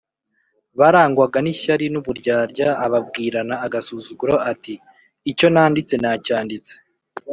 barangwaga n’ishyari n’uburyarya ababwirana agasuzuguro ati, “icyo nanditse nacyanditse